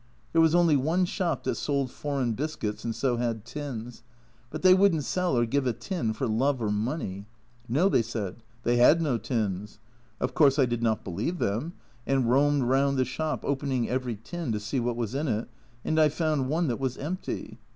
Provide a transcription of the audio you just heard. There was only one shop that sold foreign biscuits and so had tins, but they v/ouldn't sell or give a tin for love or money. No, they said, they had no tins ; of course I did not believe them, and roamed round the shop opening every tin to see what was in it, and I found one that was empty.